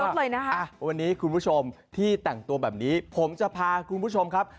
อ่ะวันนี้คุณผู้ชมที่แต่งตัวแบบนี้ผมจะพาคุณผู้ชมครับ